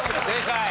正解。